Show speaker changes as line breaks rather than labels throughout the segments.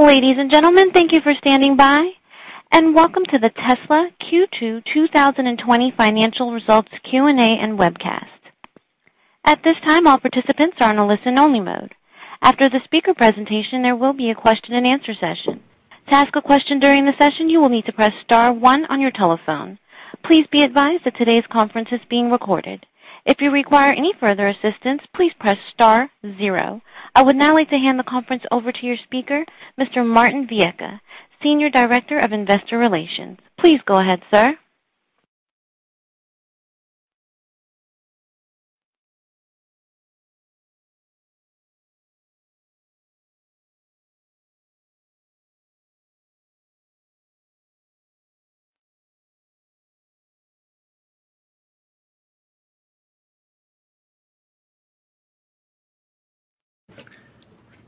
Ladies and gentlemen, thank you for standing by, and welcome to the Tesla Q2 2020 financial results Q&A and webcast. At this time, all participants are in a listen only mode. After the speaker presentation, there will be a question and answer session. To ask a question during the session, you will need to press star one on your telephone. Please be advised that today's conference is being recorded. If you require any further assistance, please press star zero. I would now like to hand the conference over to your speaker, Mr. Martin Viecha, Senior Director of Investor Relations. Please go ahead, sir.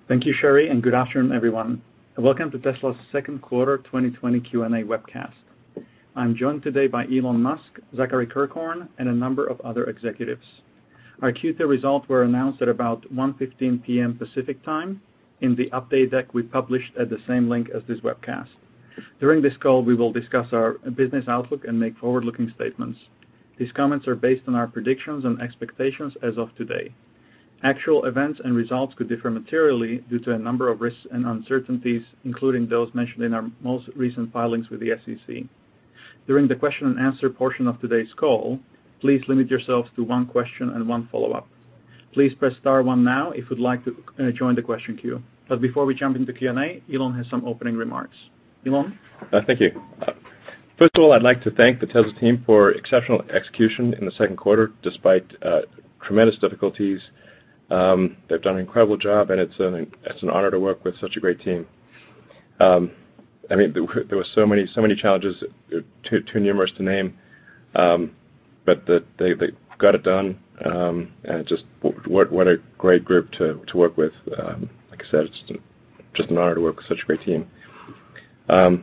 Thank you, Sherry, and good afternoon, everyone. Welcome to Tesla's second quarter 2020 Q&A webcast. I'm joined today by Elon Musk, Zachary Kirkhorn, and a number of other executives. Our Q2 results were announced at about 1:15 P.M. Pacific Time in the update deck we published at the same link as this webcast. During this call, we will discuss our business outlook and make forward-looking statements. These comments are based on our predictions and expectations as of today. Actual events and results could differ materially due to a number of risks and uncertainties, including those mentioned in our most recent filings with the SEC. During the question and answer portion of today's call, please limit yourself to one question and one follow-up. Please press star one now if you'd like to join the question queue. Before we jump into Q&A, Elon has some opening remarks. Elon?
Thank you. First of all, I'd like to thank the Tesla team for exceptional execution in the second quarter, despite tremendous difficulties. They've done an incredible job, and it's an honor to work with such a great team. There were so many challenges, too numerous to name, but they got it done, and just what a great group to work with. Like I said, it's just an honor to work with such a great team. As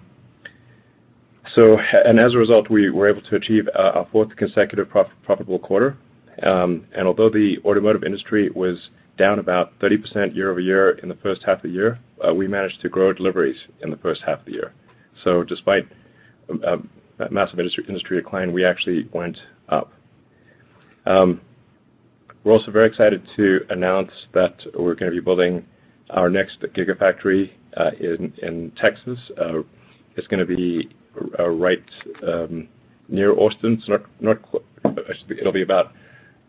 a result, we were able to achieve our fourth consecutive profitable quarter, and although the automotive industry was down about 30% year-over-year in the first half of the year, we managed to grow deliveries in the first half of the year. Despite that massive industry decline, we actually went up. We're also very excited to announce that we're going to be building our next Gigafactory in Texas. It's going to be right near Austin.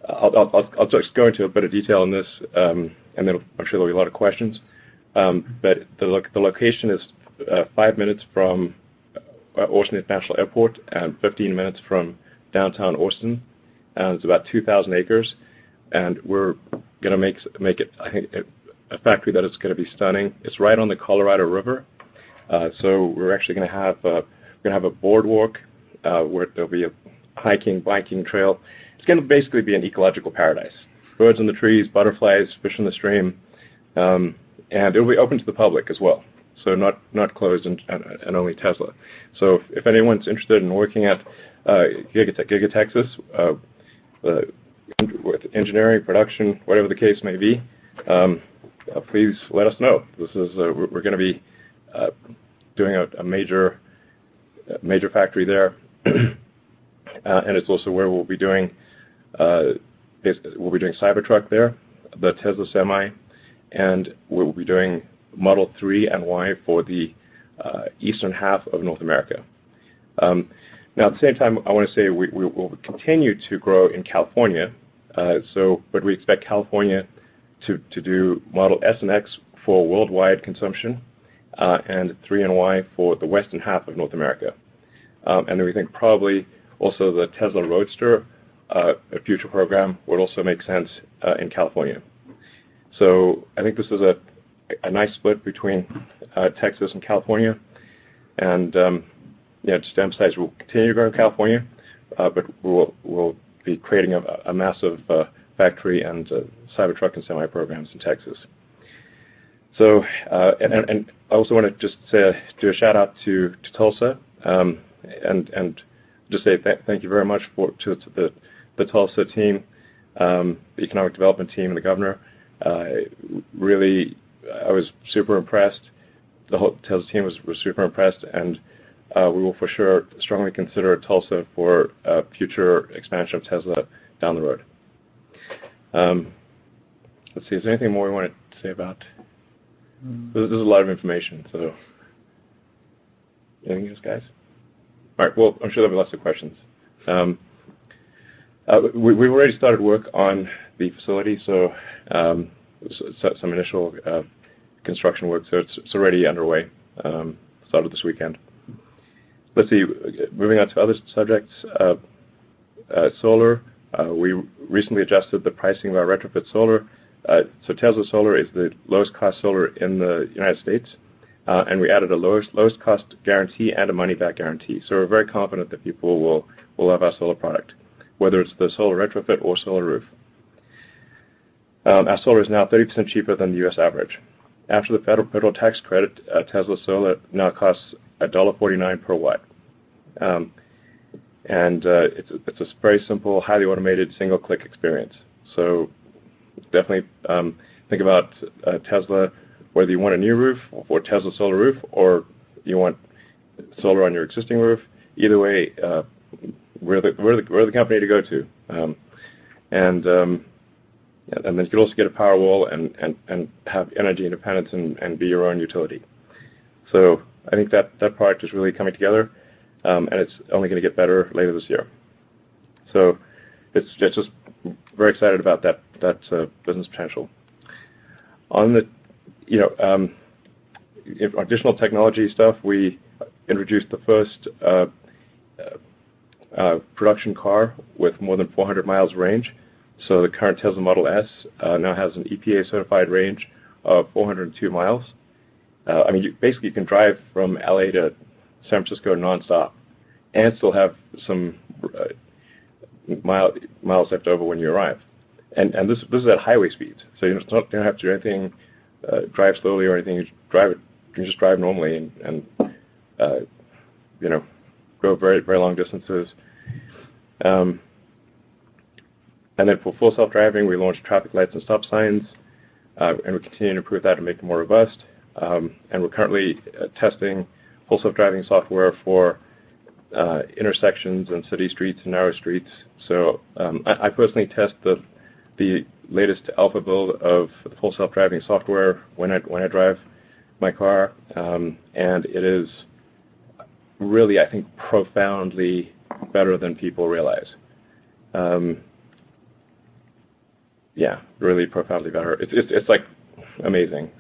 I'll just go into a bit of detail on this, and then I'm sure there'll be a lot of questions. The location is five minutes from Austin-Bergstrom International Airport and 15 minutes from downtown Austin. It's about 2,000 acres, and we're going to make it a factory that is going to be stunning. It's right on the Colorado River. We're actually going to have a boardwalk, where there'll be a hiking, biking trail. It's going to basically be an ecological paradise. Birds in the trees, butterflies, fish in the stream. It'll be open to the public as well, so not closed and only Tesla. If anyone's interested in working at Giga Texas, with engineering, production, whatever the case may be, please let us know. We're going to be doing a major factory there and it's also where we'll be doing Cybertruck there, the Tesla Semi, and we'll be doing Model 3 and Y for the eastern half of North America. At the same time, I want to say we will continue to grow in California. We expect California to do Model S and X for worldwide consumption, and 3 and Y for the western half of North America. We think probably also the Tesla Roadster, a future program, would also make sense, in California. I think this is a nice split between Texas and California, and to emphasize, we'll continue to grow in California, but we'll be creating a massive factory and Cybertruck and Semi programs in Texas. I also want to just do a shout-out to Tulsa, and just say thank you very much to the Tulsa team, the economic development team, and the governor. Really, I was super impressed. The whole Tesla team was super impressed, and we will for sure strongly consider Tulsa for future expansion of Tesla down the road. Let's see. Is there anything more we want to say about? This is a lot of information. Anything else, guys? All right. Well, I'm sure there'll be lots of questions. We've already started work on the facility. Some initial construction work, it's already underway. Started this weekend. Let's see. Moving on to other subjects. Solar, we recently adjusted the pricing of our retrofit solar. Tesla Solar is the lowest cost solar in the United States, and we added a lowest cost guarantee and a money-back guarantee. We're very confident that people will love our solar product, whether it's the Solar Retrofit or Solar Roof. Our Solar is now 30% cheaper than the U.S. average. After the federal tax credit, Tesla Solar now costs $1.49 per watt. It's a very simple, highly automated, single-click experience. Definitely think about Tesla, whether you want a new roof or Tesla Solar Roof, or you want Solar on your existing roof. Either way, we're the company to go to. You could also get a Powerwall and have energy independence and be your own utility. I think that product is really coming together, and it's only going to get better later this year. Just very excited about that business potential. On the additional technology stuff, we introduced the first production car with more than 400 miles range. The current Tesla Model S now has an EPA-certified range of 402 miles. Basically, you can drive from L.A. to San Francisco nonstop and still have some miles left over when you arrive. This is at highway speeds, so you don't have to do anything, drive slowly or anything. You can just drive normally and go very long distances. For Full Self-Driving, we launched traffic lights and stop signs, and we're continuing to improve that and make it more robust. We're currently testing Full Self-Driving software for intersections and city streets and narrow streets. I personally test the latest alpha build of the Full Self-Driving software when I drive my car. It is really, I think, profoundly better than people realize. Yeah, really profoundly better. It's amazing.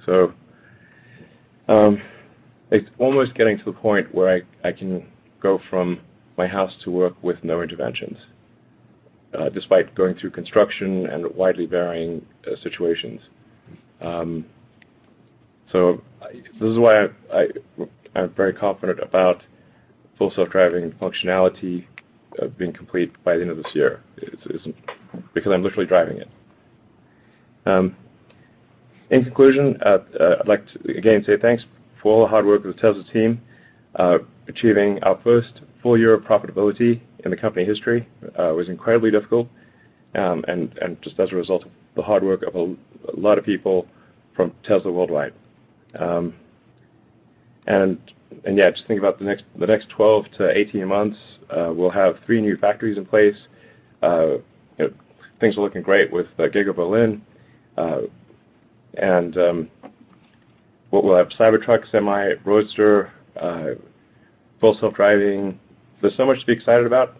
It's almost getting to a point where I can go from my house to work with no interventions, despite going through construction and widely varying situations. This is why I'm very confident about Full Self-Driving functionality being complete by the end of this year because I'm literally driving it. In conclusion, I'd like to again say thanks for all the hard work of the Tesla team. Achieving our first full year of profitability in the company history was incredibly difficult and just as a result of the hard work of a lot of people from Tesla worldwide. Yeah, just think about the next 12-18 months, we'll have three new factories in place. Things are looking great with Giga Berlin. We'll have Cybertruck, Semi, Roadster, Full Self-Driving. There's so much to be excited about.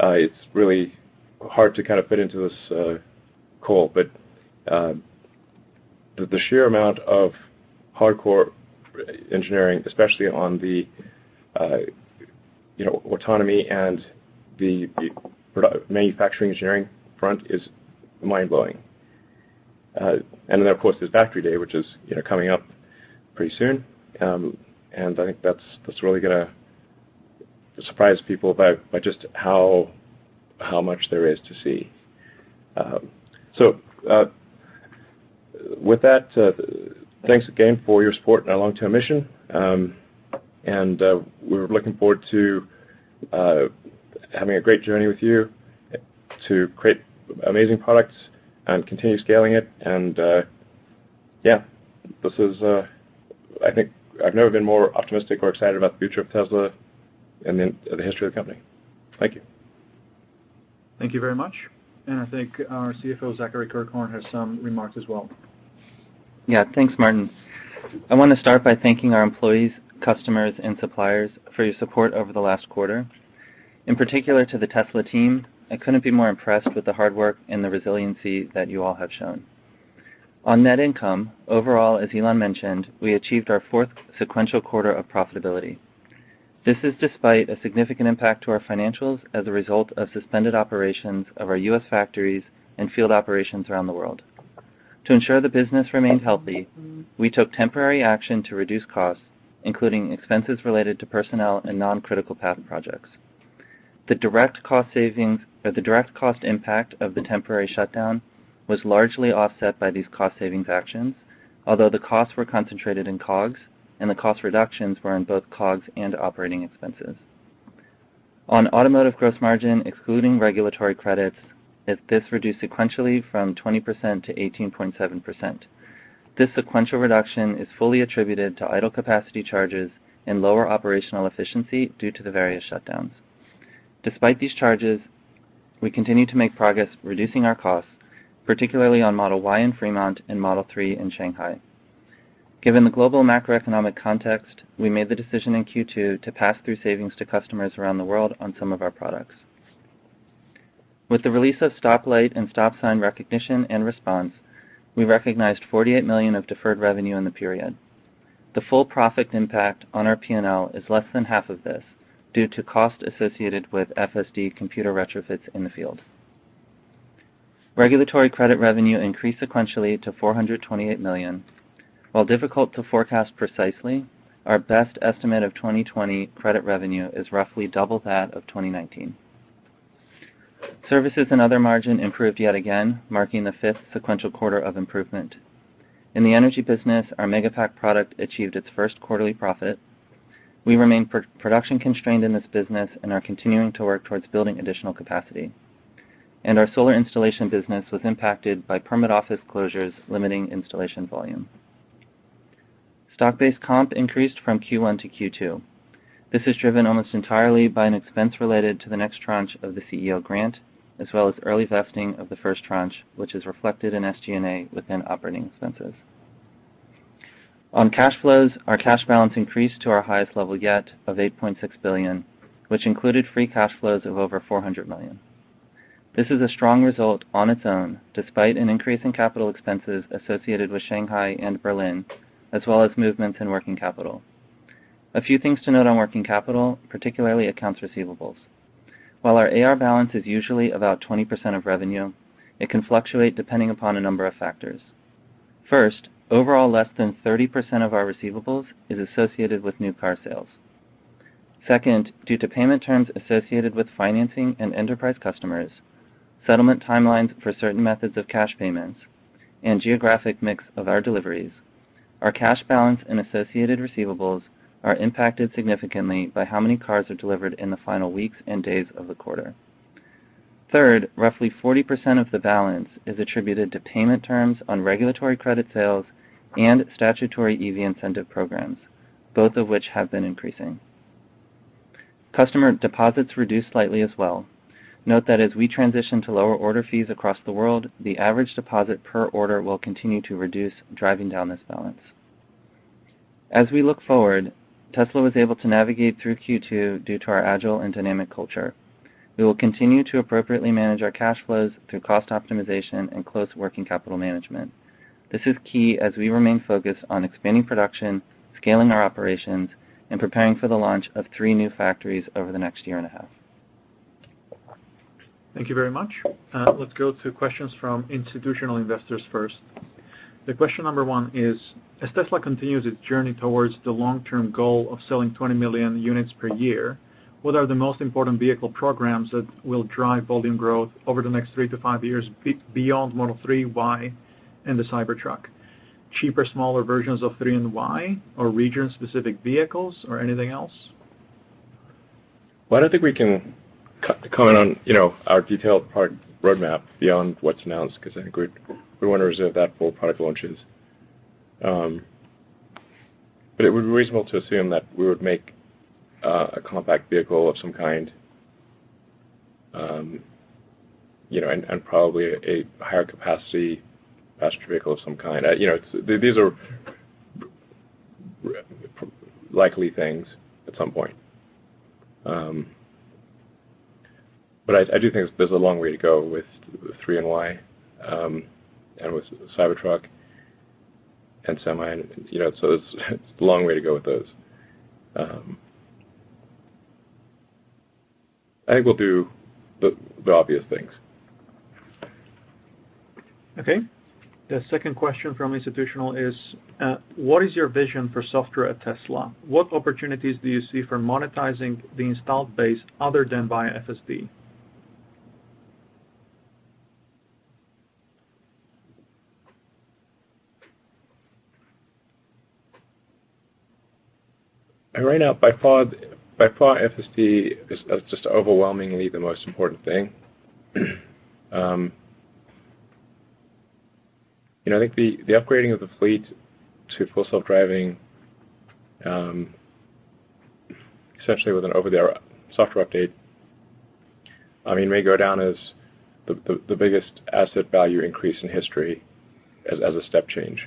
It's really hard to fit into this call, but the sheer amount of hardcore engineering, especially on the autonomy and the manufacturing engineering front, is mind-blowing. Then, of course, there's Factory Day, which is coming up pretty soon. I think that's really going to surprise people by just how much there is to see. With that, thanks again for your support in our long-term mission. We're looking forward to having a great journey with you to create amazing products and continue scaling it. Yeah, I think I've never been more optimistic or excited about the future of Tesla and the history of the company. Thank you.
Thank you very much. I think our CFO, Zachary Kirkhorn, has some remarks as well.
Thanks, Martin. I want to start by thanking our employees, customers, and suppliers for your support over the last quarter. In particular to the Tesla team, I couldn't be more impressed with the hard work and the resiliency that you all have shown. On net income, overall, as Elon mentioned, we achieved our fourth sequential quarter of profitability. This is despite a significant impact to our financials as a result of suspended operations of our U.S. factories and field operations around the world. To ensure the business remains healthy, we took temporary action to reduce costs, including expenses related to personnel and non-critical path projects. The direct cost impact of the temporary shutdown was largely offset by these cost-savings actions, although the costs were concentrated in COGS and the cost reductions were in both COGS and operating expenses. On automotive gross margin, excluding regulatory credits, this reduced sequentially from 20% to 18.7%. This sequential reduction is fully attributed to idle capacity charges and lower operational efficiency due to the various shutdowns. Despite these charges, we continue to make progress reducing our costs, particularly on Model Y in Fremont and Model 3 in Shanghai. Given the global macroeconomic context, we made the decision in Q2 to pass through savings to customers around the world on some of our products. With the release of stoplight and stop sign recognition and response, we recognized $48 million of deferred revenue in the period. The full profit impact on our P&L is less than half of this due to cost associated with FSD Computer retrofits in the field. Regulatory credit revenue increased sequentially to $428 million. While difficult to forecast precisely, our best estimate of 2020 credit revenue is roughly double that of 2019. Services and other margin improved yet again, marking the fifth sequential quarter of improvement. In the energy business, our Megapack product achieved its first quarterly profit. We remain production constrained in this business and are continuing to work towards building additional capacity. Our solar installation business was impacted by permit office closures limiting installation volume. Stock-based comp increased from Q1 to Q2. This is driven almost entirely by an expense related to the next tranche of the CEO grant, as well as early vesting of the first tranche, which is reflected in SG&A within operating expenses. On cash flows, our cash balance increased to our highest level yet of $8.6 billion, which included free cash flows of over $400 million. This is a strong result on its own, despite an increase in capital expenses associated with Shanghai and Berlin, as well as movements in working capital. A few things to note on working capital, particularly accounts receivables. While our AR balance is usually about 20% of revenue, it can fluctuate depending upon a number of factors. First, overall less than 30% of our receivables is associated with new car sales. Second, due to payment terms associated with financing and enterprise customers, settlement timelines for certain methods of cash payments and geographic mix of our deliveries, our cash balance and associated receivables are impacted significantly by how many cars are delivered in the final weeks and days of the quarter. Third, roughly 40% of the balance is attributed to payment terms on regulatory credit sales and statutory EV incentive programs, both of which have been increasing. Customer deposits reduced slightly as well. Note that as we transition to lower order fees across the world, the average deposit per order will continue to reduce, driving down this balance. As we look forward, Tesla was able to navigate through Q2 due to our agile and dynamic culture. We will continue to appropriately manage our cash flows through cost optimization and close working capital management. This is key as we remain focused on expanding production, scaling our operations, and preparing for the launch of three new factories over the next year and a half.
Thank you very much. Let's go to questions from institutional investors first. The question number 1 is, as Tesla continues its journey towards the long-term goal of selling 20 million units per year, what are the most important vehicle programs that will drive volume growth over the next three to five years beyond Model 3, Y, and the Cybertruck? Cheaper, smaller versions of 3 and Y, or region-specific vehicles or anything else?
Well, I don't think we can comment on our detailed product roadmap beyond what's announced, because I think we want to reserve that for product launches. It would be reasonable to assume that we would make a compact vehicle of some kind, and probably a higher capacity passenger vehicle of some kind. These are likely things at some point. I do think there's a long way to go with Model 3 and Model Y, and with Cybertruck and Semi. There's a long way to go with those. I think we'll do the obvious things.
Okay. The second question from institutional is: What is your vision for software at Tesla? What opportunities do you see for monetizing the installed base other than via FSD?
Right now, by far, FSD is just overwhelmingly the most important thing. I think the upgrading of the fleet to Full Self-Driving, essentially with an over-the-air software update, it may go down as the biggest asset value increase in history as a step change.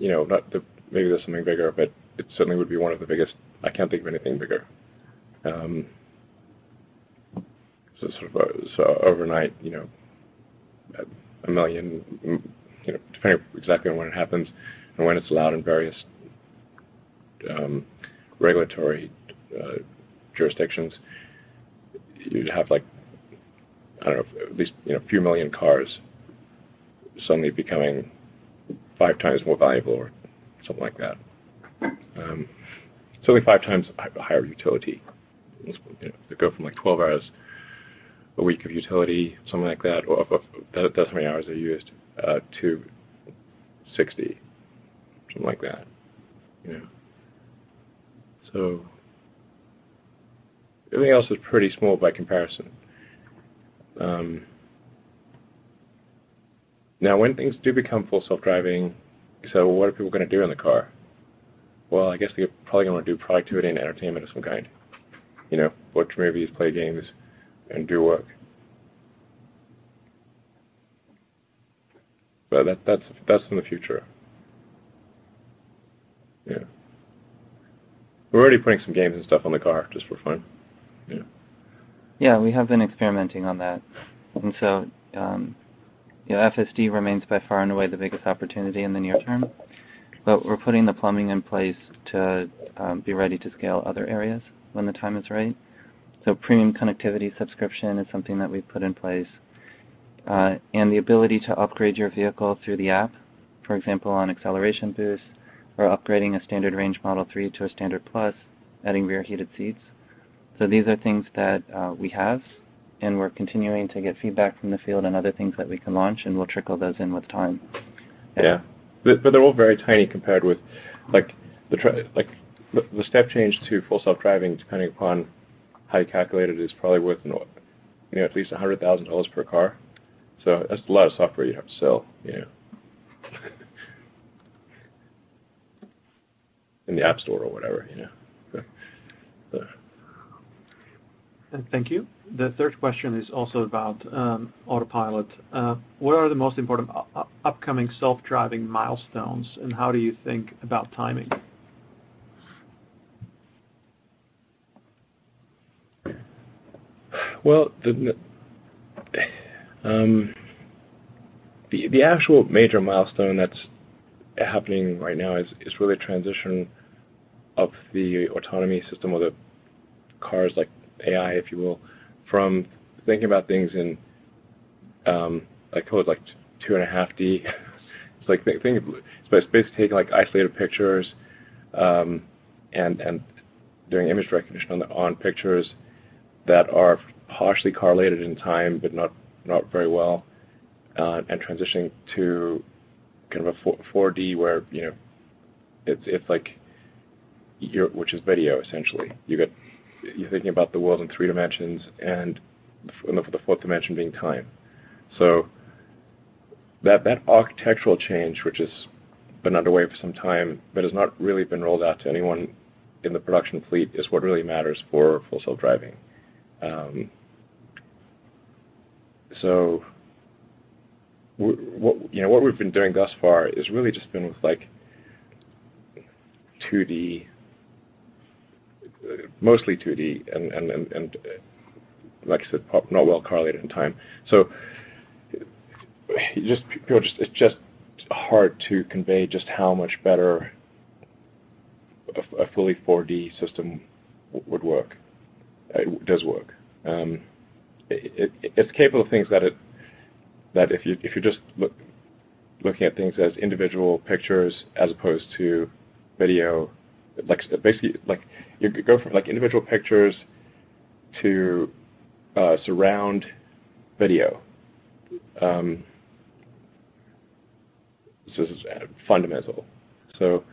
Maybe there's something bigger, it certainly would be one of the biggest. I can't think of anything bigger. Overnight, 1 million, depending on exactly when it happens and when it's allowed in various regulatory jurisdictions, you'd have, I don't know, at least a few million cars suddenly becoming 5 times more valuable or something like that. Certainly 5 times higher utility. They go from 12 hours a week of utility, something like that, or that's how many hours they're used, to 60, something like that. Yeah. Everything else is pretty small by comparison. When things do become Full Self-Driving, what are people going to do in the car? I guess they probably going to do productivity and entertainment of some kind. Watch movies, play games, and do work. That's in the future. Yeah. We're already playing some games and stuff on the car just for fun. Yeah.
Yeah, we have been experimenting on that. FSD remains by far and away the biggest opportunity in the near term, but we're putting the plumbing in place to be ready to scale other areas when the time is right. Premium Connectivity subscription is something that we've put in place and the ability to upgrade your vehicle through the app, for example, on acceleration boost or upgrading a standard range Model 3 to a standard plus, adding rear heated seats. These are things that we have and we're continuing to get feedback from the field on other things that we can launch, and we'll trickle those in with time.
Yeah. They're all very tiny compared with the step change to Full Self-Driving, depending upon how you calculate it, is probably worth at least $100,000 per car. That's a lot of software you have to sell. In the App Store or whatever. Yeah.
Thank you. The third question is also about Autopilot. What are the most important upcoming self-driving milestones, and how do you think about timing?
Well, the actual major milestone that's happening right now is really transition of the autonomy system of the cars, like AI, if you will, from thinking about things in code, like two and a half D. It's basically taking isolated pictures, and doing image recognition on pictures that are partially correlated in time, but not very well, and transitioning to kind of a 4D, which is video, essentially. You're thinking about the world in three dimensions and with the fourth dimension being time. That architectural change, which has been underway for some time but has not really been rolled out to anyone in the production fleet, is what really matters for Full Self-Driving. What we've been doing thus far has really just been with 2D, mostly 2D, and like I said, not well correlated in time. It's just hard to convey just how much better a fully 4D system would work, does work. It's capable of things that if you're just looking at things as individual pictures as opposed to video. Basically, you go from individual pictures to surround video. This is fundamental. The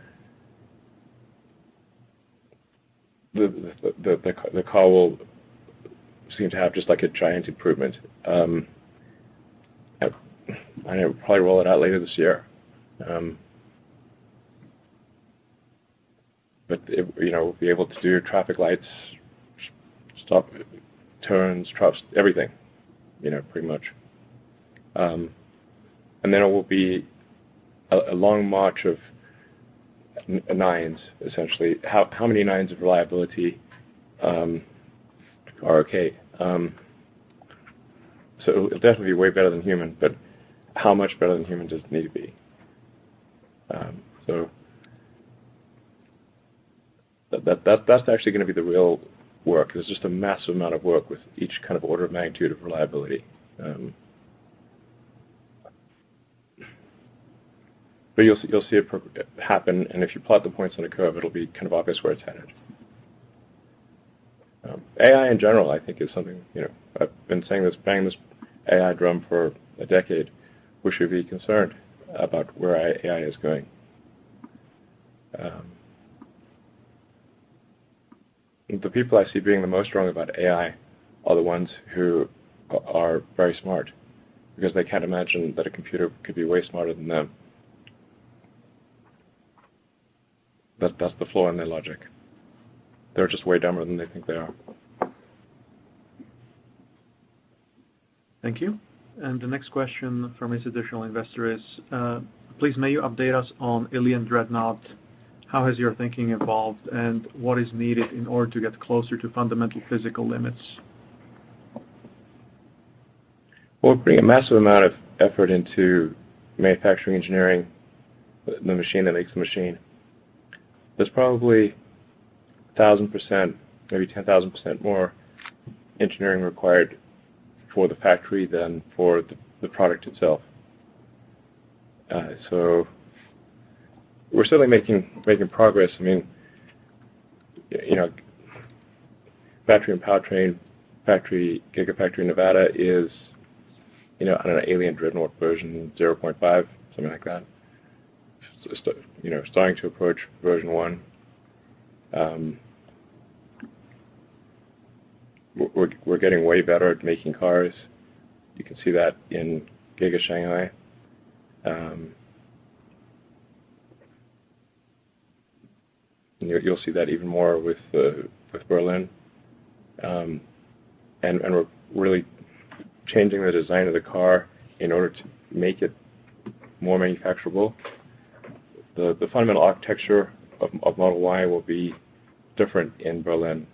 car will seem to have just a giant improvement. We'll probably roll it out later this year. It will be able to do traffic lights, stop, turns, everything, pretty much. It will be a long march of nines, essentially. How many nines of reliability are okay? It'll definitely be way better than human, but how much better than human does it need to be? That's actually going to be the real work. It's just a massive amount of work with each kind of order of magnitude of reliability. You'll see it happen, and if you plot the points on a curve, it'll be kind of obvious where it's headed. AI, in general, I think is something, I've been banging this AI drum for a decade. We should be concerned about where AI is going. The people I see being the most wrong about AI are the ones who are very smart because they can't imagine that a computer could be way smarter than them. That's the flaw in their logic. They're just way dumber than they think they are.
Thank you. The next question from this additional investor is, please may you update us on Alien Dreadnought? How has your thinking evolved, and what is needed in order to get closer to fundamental physical limits?
Well, we're putting a massive amount of effort into manufacturing engineering, the machine that makes the machine. There's probably 1,000%, maybe 10,000% more engineering required for the factory than for the product itself. We're certainly making progress. Battery and powertrain, Gigafactory Nevada is on an Alien Dreadnought version 0.5, something like that. Starting to approach version 1. We're getting way better at making cars. You can see that in Giga Shanghai. You'll see that even more with Berlin. We're really changing the design of the car in order to make it more manufacturable. The fundamental architecture of Model Y will be different in Berlin.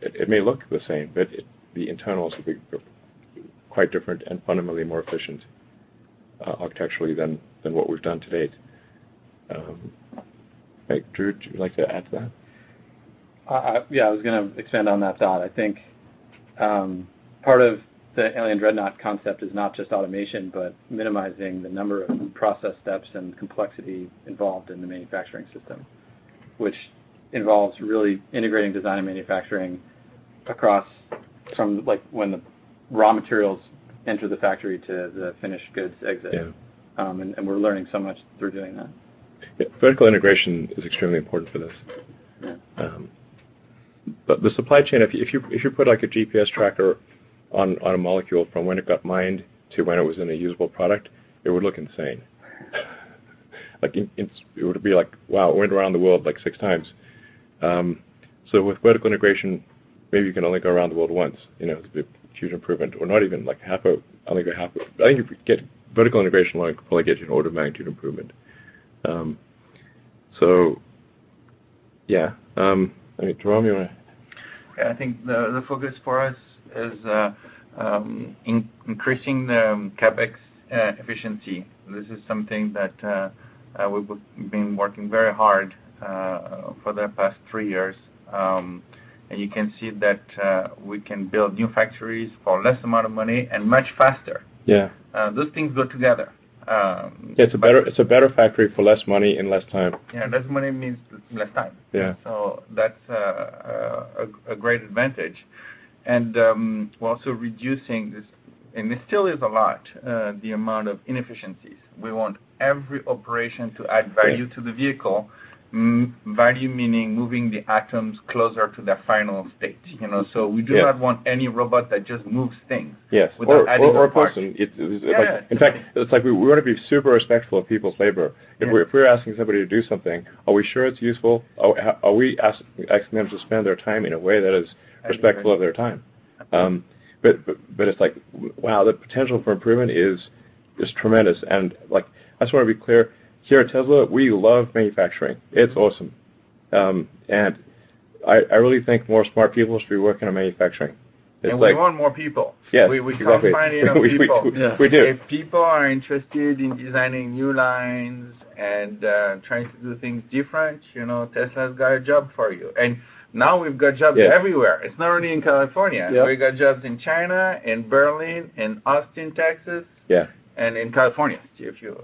It may look the same, but the internals will be quite different and fundamentally more efficient architecturally than what we've done to date. Drew, would you like to add to that?
I was going to expand on that thought. I think part of the Alien Dreadnought concept is not just automation, but minimizing the number of process steps and complexity involved in the manufacturing system, which involves really integrating design and manufacturing across from when the raw materials enter the factory to the finished goods exit.
Yeah.
We're learning so much through doing that.
Yeah. Vertical integration is extremely important for this.
Yeah.
The supply chain, if you put a GPS tracker on a molecule from when it got mined to when it was in a usable product, it would look insane. It would be like, wow, it went around the world six times. With vertical integration, maybe you can only go around the world once. It's a huge improvement. Not even, like half. I think vertical integration will probably get you an order of magnitude improvement. Yeah. Jerome, you want to-
Yeah, I think the focus for us is increasing the CapEx efficiency. This is something that we've been working very hard for the past three years. You can see that we can build new factories for less amount of money and much faster.
Yeah.
Those things go together.
It's a better factory for less money in less time.
Yeah. Less money means less time.
Yeah.
That's a great advantage. We're also reducing this, and it still is a lot, the amount of inefficiencies. We want every operation to add value to the vehicle. Value meaning moving the atoms closer to their final state. We do not want any robot that just moves things.
Yes
without adding any value.
A person.
Yeah.
In fact, it's like we want to be super respectful of people's labor.
Yeah.
If we're asking somebody to do something, are we sure it's useful? Are we asking them to spend their time in a way that is respectful of their time? It's like, wow, the potential for improvement is tremendous. I just want to be clear, here at Tesla, we love manufacturing. It's awesome. I really think more smart people should be working on manufacturing.
We want more people.
Yes, exactly.
We can't find enough people.
We do.
If people are interested in designing new lines and trying to do things different, Tesla's got a job for you. Now we've got jobs everywhere.
Yeah.
It's not only in California.
Yeah.
We've got jobs in China, in Berlin, in Austin, Texas.
Yeah.
In California, a few.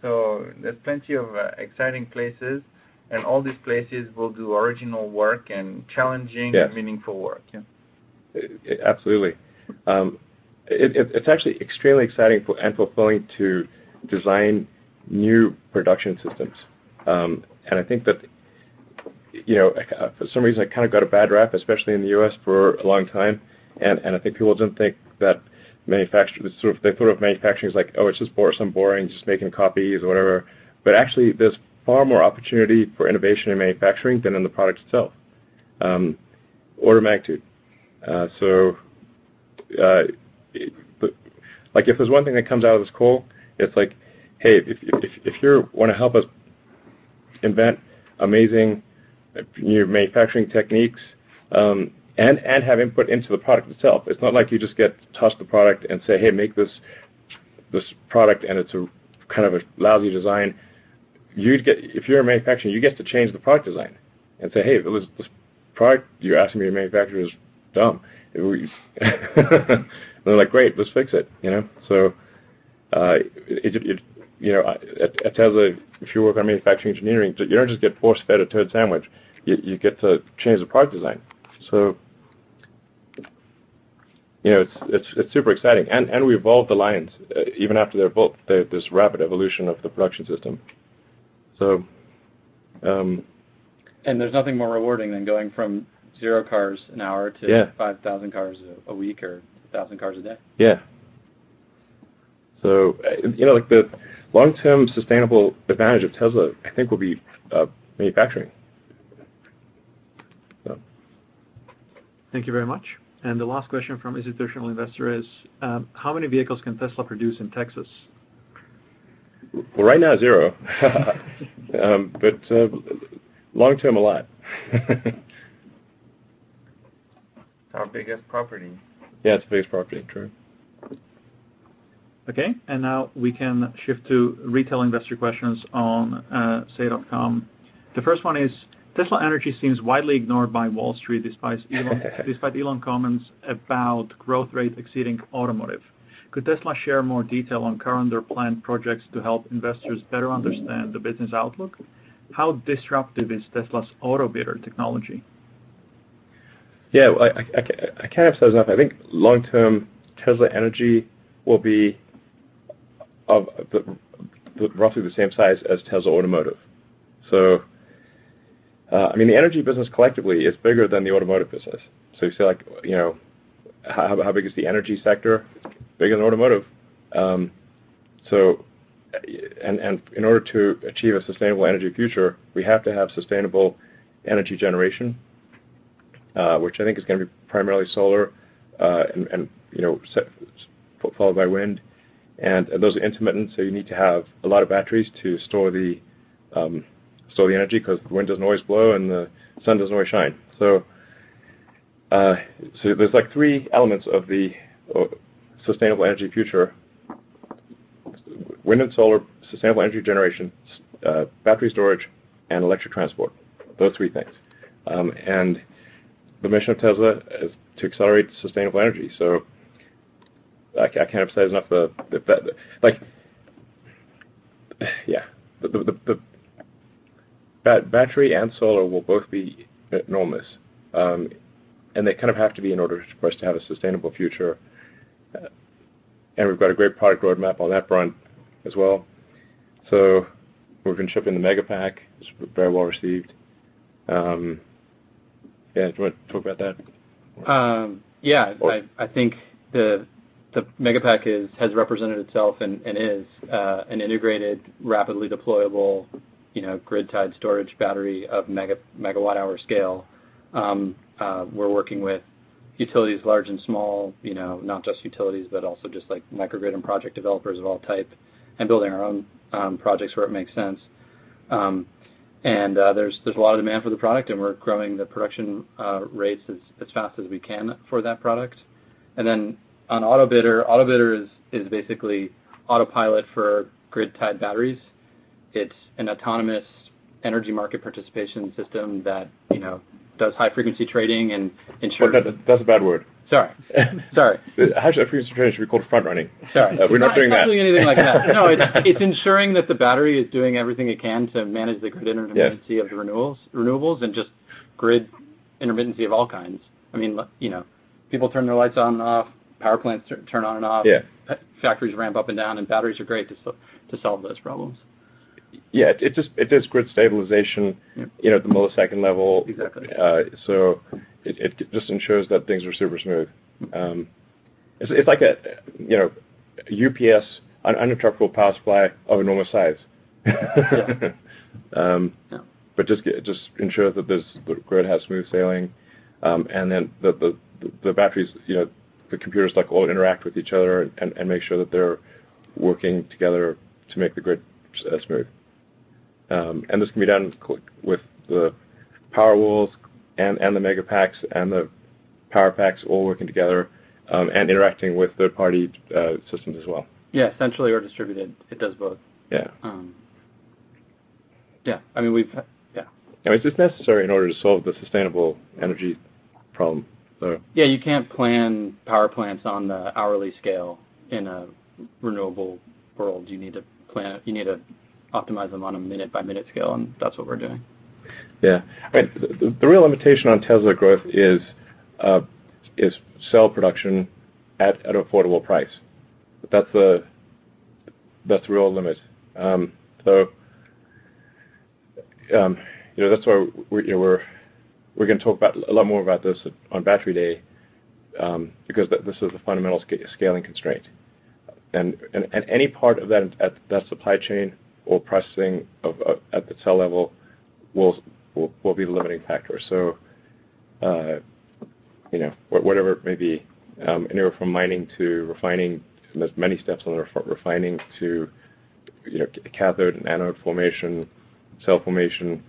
There's plenty of exciting places, and all these places will do original work.
Yeah
meaningful work. Yeah.
Absolutely. It's actually extremely exciting and fulfilling to design new production systems. I think that for some reason it kind of got a bad rap, especially in the U.S. for a long time. I think people don't think that manufacturing is, they thought of manufacturing as like, oh, it's just boring, just making copies or whatever. Actually, there's far more opportunity for innovation in manufacturing than in the product itself. Order magnitude. If there's one thing that comes out of this call, it's like, hey, if you want to help us invent amazing new manufacturing techniques and have input into the product itself, it's not like you just get tossed the product and say, "Hey, make this product," and it's kind of a lousy design. If you're in manufacturing, you get to change the product design and say, "Hey, this product you're asking me to manufacture is dumb." They're like, "Great. Let's fix it." At Tesla, if you work on manufacturing engineering, you don't just get force-fed a turd sandwich. You get to change the product design. It's super exciting. We evolve the lines even after they're built, there's rapid evolution of the production system.
There's nothing more rewarding than going from zero cars an hour to.
Yeah
5,000 cars a week or 1,000 cars a day.
Yeah. The long-term sustainable advantage of Tesla, I think, will be manufacturing.
Thank you very much. The last question from Institutional Investor is, how many vehicles can Tesla produce in Texas?
Well, right now, zero. Long term, a lot.
Our biggest property.
Yeah, it's the biggest property. True.
Okay. Now we can shift to retail investor questions on say.com. The first one is, Tesla Energy seems widely ignored by Wall Street despite Elon comments about growth rate exceeding Tesla Automotive. Could Tesla share more detail on current or planned projects to help investors better understand the business outlook? How disruptive is Tesla's Autobidder technology?
Yeah, I can't emphasize enough, I think long term, Tesla Energy will be roughly the same size as Tesla Automotive. The energy business collectively is bigger than the automotive business. You say, like, "How big is the energy sector?" Bigger than automotive. In order to achieve a sustainable energy future, we have to have sustainable energy generation, which I think is going to be primarily solar and followed by wind. Those are intermittent, so you need to have a lot of batteries to store the energy, because the wind doesn't always blow and the sun doesn't always shine. There's three elements of the sustainable energy future. Wind and solar, sustainable energy generation, battery storage, and electric transport. Those three things. The mission of Tesla is to accelerate sustainable energy. I can't emphasize enough the Yeah. The battery and solar will both be enormous, they kind of have to be in order for us to have a sustainable future. We've got a great product roadmap on that front as well. We've been shipping the Megapack. It's very well received. Yeah. Do you want to talk about that?
Yeah. I think the Megapack has represented itself and is an integrated, rapidly deployable, grid-tied storage battery of megawatt hour scale. We're working with utilities large and small, not just utilities, but also just like microgrid and project developers of all type and building our own projects where it makes sense. There's a lot of demand for the product, and we're growing the production rates as fast as we can for that product. On Autobidder is basically Autopilot for grid-tied batteries. It's an autonomous energy market participation system that does high-frequency trading.
That's a bad word.
Sorry. Sorry.
High-frequency trading should be called front-running.
Sorry.
We're not doing that.
It's not doing anything like that. No, it's ensuring that the battery is doing everything it can to manage the grid intermittency.
Yeah
of the renewables, and just grid intermittency of all kinds. People turn their lights on and off, power plants turn on and off.
Yeah.
Factories ramp up and down, and batteries are great to solve those problems.
Yeah. It does grid stabilization, the millisecond level.
Exactly.
It just ensures that things are super smooth. It's like a UPS, uninterruptible power supply, of enormous size.
Yeah.
Just ensure that the grid has smooth sailing, and then the batteries, the computers all interact with each other and make sure that they're working together to make the grid smooth. This can be done with the Powerwalls and the Megapacks and the Powerpack all working together, and interacting with third-party systems as well.
Yeah. Centrally or distributed, it does both.
Yeah.
Yeah.
It's just necessary in order to solve the sustainable energy problem.
Yeah, you can't plan power plants on the hourly scale in a renewable world. You need to optimize them on a minute-by-minute scale. That's what we're doing.
Yeah. The real limitation on Tesla growth is cell production at an affordable price. That's the real limit. That's why we're going to talk a lot more about this on Battery Day, because this is a fundamental scaling constraint. Any part of that supply chain or processing at the cell level will be the limiting factor. Whatever it may be, anywhere from mining to refining, and there's many steps on refining to cathode and anode formation, cell formation.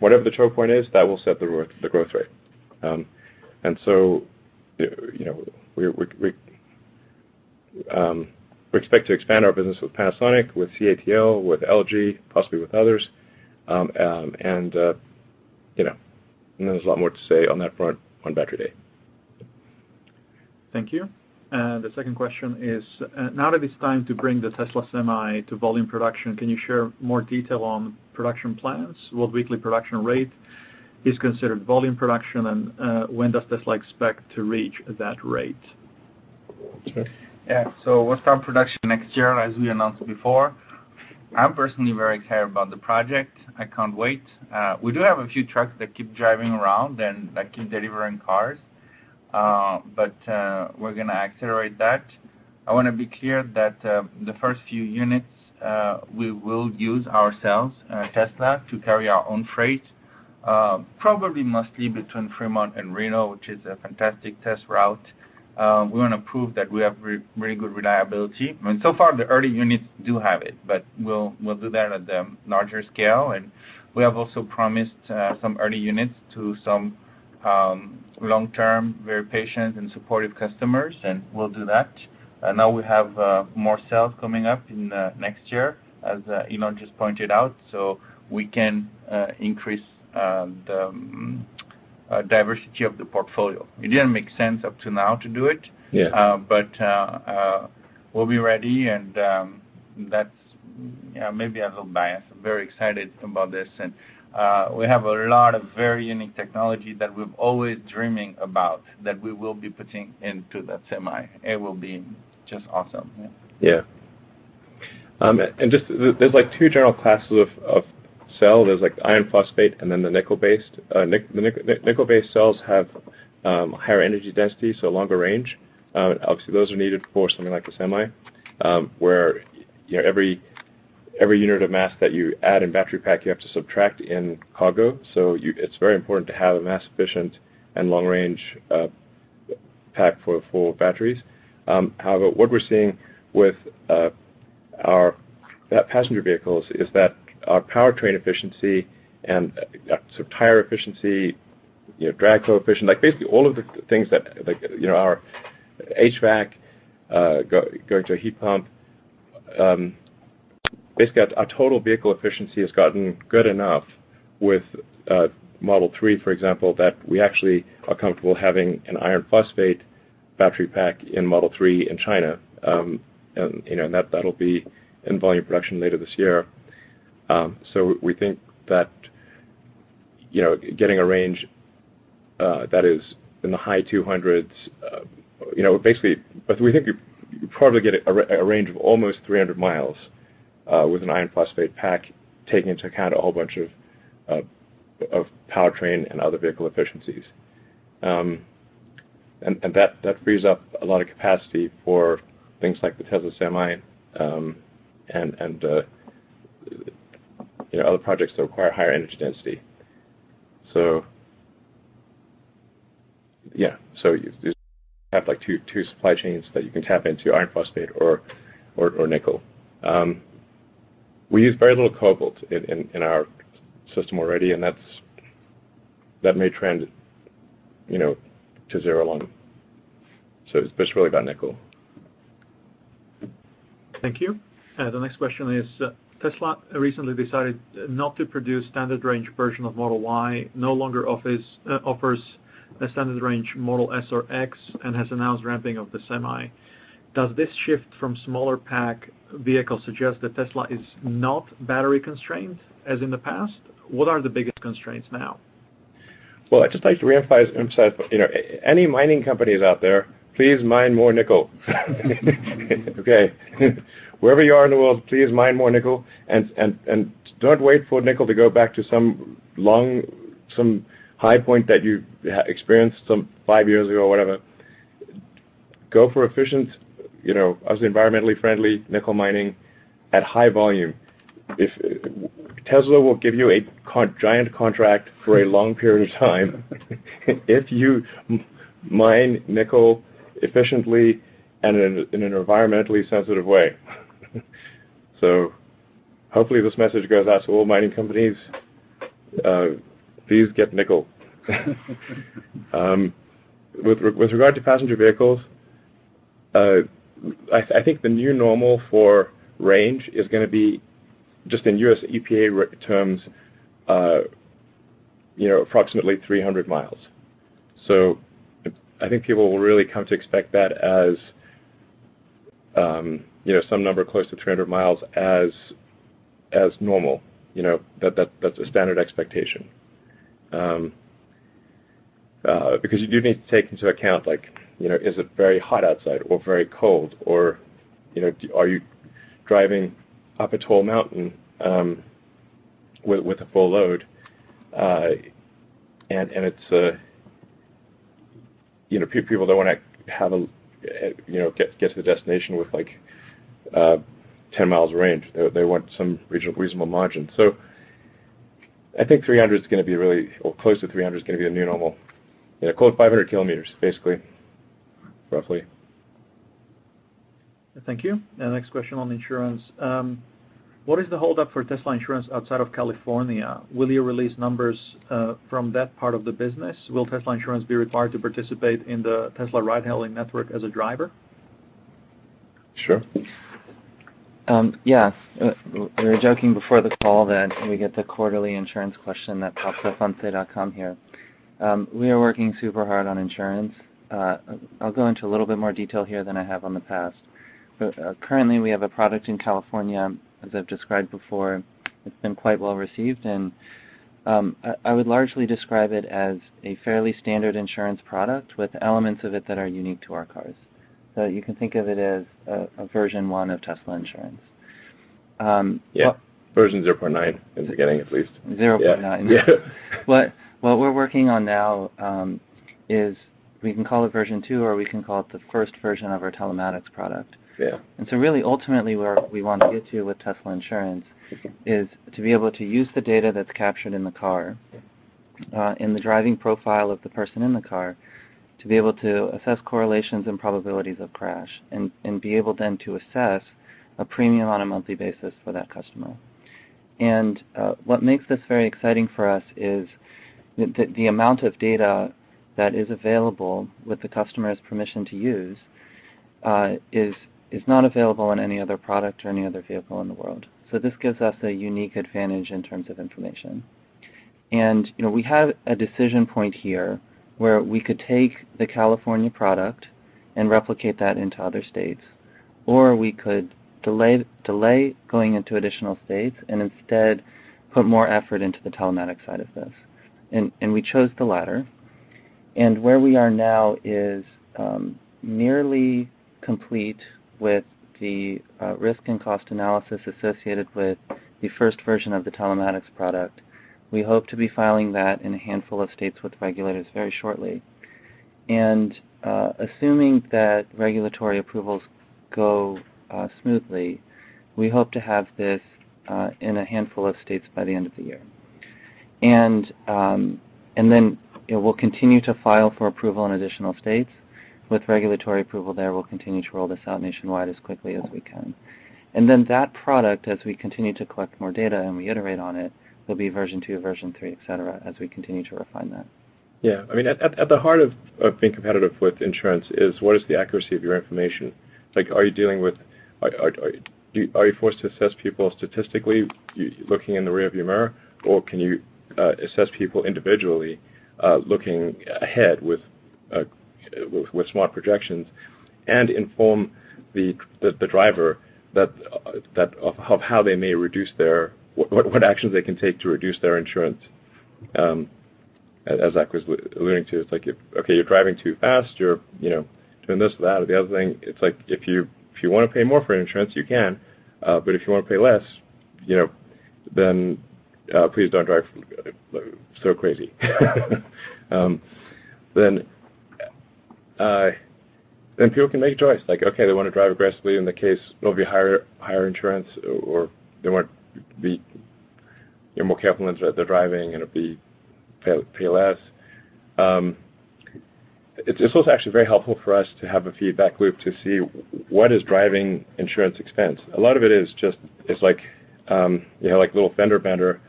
Whatever the choke point is, that will set the growth rate. We expect to expand our business with Panasonic, with CATL, with LG, possibly with others, and there's a lot more to say on that front on Battery Day.
Thank you. The second question is, now that it's time to bring the Tesla Semi to volume production, can you share more detail on production plans? What weekly production rate is considered volume production, and when does Tesla expect to reach that rate?
Okay, yeah. We'll start production next year, as we announced before. I'm personally very excited about the project. I can't wait. We do have a few trucks that keep driving around and that keep delivering cars, but we're going to accelerate that. I want to be clear that the first few units, we will use ourselves, Tesla, to carry our own freight. Probably mostly between Fremont and Reno, which is a fantastic test route. We want to prove that we have really good reliability. Far, the early units do have it, but we'll do that at the larger scale. We have also promised some early units to some long-term, very patient and supportive customers, and we'll do that. Now we have more cells coming up in next year, as Elon just pointed out, so we can increase the diversity of the portfolio. It didn't make sense up to now to do it.
Yeah
We'll be ready. That's maybe a little biased. I'm very excited about this. We have a lot of very unique technology that we're always dreaming about that we will be putting into the Semi. It will be just awesome.
Yeah. There's two general classes of cell. There's iron phosphate and then the nickel-based. Nickel-based cells have higher energy density, longer range. Obviously, those are needed for something like a Tesla Semi, where every unit of mass that you add in battery pack, you have to subtract in cargo. It's very important to have a mass efficient and long-range pack for batteries. However, what we're seeing with passenger vehicles is that our powertrain efficiency and tire efficiency, drag coefficient, basically all of the things that our HVAC going to a heat pump, basically our total vehicle efficiency has gotten good enough with Model 3, for example, that we actually are comfortable having an iron phosphate battery pack in Model 3 in China. That'll be in volume production later this year. We think that getting a range that is in the high 200s, basically, we think you probably get a range of almost 300 miles with an iron phosphate pack, taking into account a whole bunch of powertrain and other vehicle efficiencies. That frees up a lot of capacity for things like the Tesla Semi and other projects that require higher energy density. Yeah. You have two supply chains that you can tap into, iron phosphate or nickel. We use very little cobalt in our system already, and that may trend to zero along. It's really about nickel.
Thank you. The next question is, Tesla recently decided not to produce standard range version of Model Y, no longer offers a standard range Model S or X, and has announced ramping of the Semi. Does this shift from smaller pack vehicles suggest that Tesla is not battery-constrained as in the past? What are the biggest constraints now?
Well, I'd just like to reemphasize, any mining companies out there, please mine more nickel. Okay. Wherever you are in the world, please mine more nickel, and don't wait for nickel to go back to some high point that you experienced some five years ago or whatever. Go for efficient, as environmentally friendly nickel mining at high volume. Tesla will give you a giant contract for a long period of time if you mine nickel efficiently and in an environmentally sensitive way. Hopefully this message goes out to all mining companies, please get nickel. With regard to passenger vehicles, I think the new normal for range is going to be, just in U.S. EPA terms, approximately 300 miles. I think people will really come to expect that as some number close to 300 miles as normal. That's a standard expectation. You do need to take into account, is it very hot outside or very cold, or are you driving up a tall mountain with a full load? People don't want to get to the destination with 10 miles of range. They want some reasonable margin. I think 300 is going to be really, or close to 300, is going to be the new normal. Close to 500 kilometers, basically. Roughly.
Thank you. Next question on insurance. What is the holdup for Tesla Insurance outside of California? Will you release numbers from that part of the business? Will Tesla Insurance be required to participate in the Tesla ride-hailing network as a driver?
Sure.
Yeah. We were joking before the call that we get the quarterly Insurance question that pops up on Say.com here. We are working super hard on Insurance. I'll go into a little bit more detail here than I have on the past. Currently we have a product in California, as I've described before. It's been quite well-received, and I would largely describe it as a fairly standard insurance product with elements of it that are unique to our cars. You can think of it as a version one of Tesla Insurance.
Yeah. Version 0.9 in the beginning, at least.
0.9.
Yeah.
What we're working on now is we can call it version 2, or we can call it the first version of our telematics product.
Yeah.
Really, ultimately, where we want to get to with Tesla Insurance is to be able to use the data that's captured in the car, and the driving profile of the person in the car to be able to assess correlations and probabilities of crash, and be able then to assess a premium on a monthly basis for that customer. What makes this very exciting for us is the amount of data that is available with the customer's permission to use is not available on any other product or any other vehicle in the world. This gives us a unique advantage in terms of information. We have a decision point here where we could take the California product and replicate that into other states, or we could delay going into additional states and instead put more effort into the telematics side of this. We chose the latter. Where we are now is nearly complete with the risk and cost analysis associated with the first version of the telematics product. We hope to be filing that in a handful of states with regulators very shortly. Assuming that regulatory approvals go smoothly, we hope to have this in a handful of states by the end of the year. Then we'll continue to file for approval in additional states. With regulatory approval there, we'll continue to roll this out nationwide as quickly as we can. Then that product, as we continue to collect more data and we iterate on it, will be version 2, version 3, et cetera, as we continue to refine that.
Yeah. At the heart of being competitive with insurance is what is the accuracy of your information. Are you forced to assess people statistically, looking in the rear view mirror, or can you assess people individually, looking ahead with smart projections and inform the driver what actions they can take to reduce their insurance? As Zach was alluding to, it's like, okay, you're driving too fast. You're doing this, that, or the other thing. It's like, if you want to pay more for insurance, you can, but if you want to pay less, then please don't drive so crazy. People can make a choice. Okay, they want to drive aggressively. In the case it'll be higher insurance, or they want be more careful as they're driving and it'll be pay less. This was actually very helpful for us to have a feedback loop to see what is driving insurance expense. A lot of it is just a little fender bender,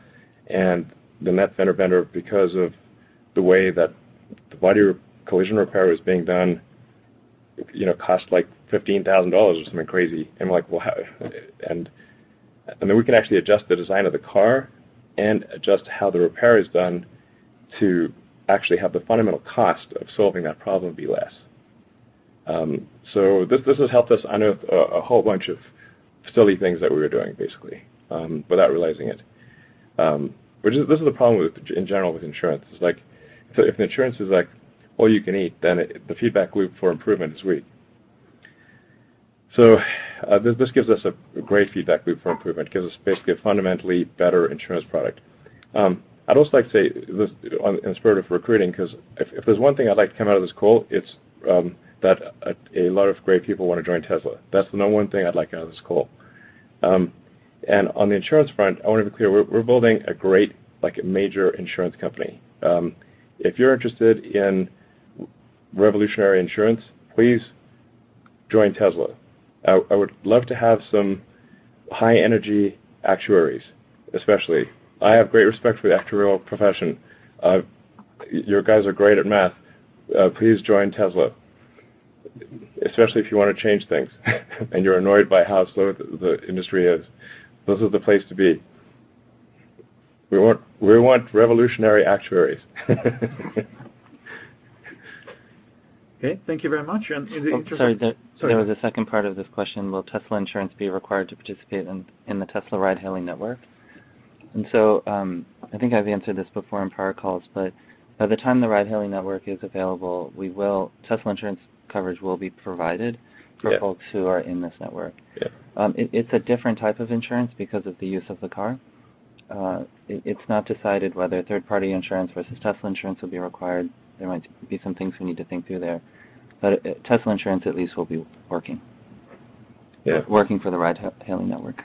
and then that fender bender, because of the way that the body collision repair was being done cost like $15,000 or something crazy. We're like, "Well, how." Then we can actually adjust the design of the car and adjust how the repair is done to actually have the fundamental cost of solving that problem be less. This has helped us unearth a whole bunch of silly things that we were doing, basically, without realizing it. This is the problem in general with insurance, is if the insurance is all you can eat, then the feedback loop for improvement is weak. This gives us a great feedback loop for improvement, gives us basically a fundamentally better insurance product. I'd also like to say on the spirit of recruiting, because if there's one thing I'd like to come out of this call, it's that a lot of great people want to join Tesla. That's the number one thing I'd like out of this call. On the insurance front, I want to be clear, we're building a great, major insurance company. If you're interested in revolutionary insurance, please join Tesla. I would love to have some high-energy actuaries, especially. I have great respect for the actuarial profession. You guys are great at math. Please join Tesla, especially if you want to change things and you're annoyed by how slow the industry is. This is the place to be. We want revolutionary actuaries.
Okay. Thank you very much.
Oh, sorry.
Sorry.
There was a second part of this question. Will Tesla Insurance be required to participate in the Tesla ride-hailing network? I think I've answered this before on prior calls, by the time the ride-hailing network is available, Tesla Insurance coverage will be provided.
Yeah
for folks who are in this network.
Yeah.
It's a different type of insurance because of the use of the car. It's not decided whether third-party insurance versus Tesla Insurance will be required. There might be some things we need to think through there, but Tesla Insurance at least will be working.
Yeah.
Working for the ride hailing network.